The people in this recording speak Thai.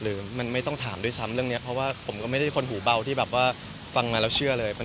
หรือมันไม่ต้องถามด้วยซ้ำเรื่องนี้เพราะว่าผมก็ไม่ได้คนหูเบาที่แบบว่าฟังมาแล้วเชื่อเลย